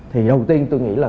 thì đầu tiên tôi nghĩ là